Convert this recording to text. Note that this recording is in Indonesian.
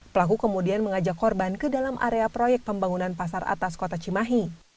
pelaku kemudian mengajak korban ke dalam area proyek pembangunan pasar atas kota cimahi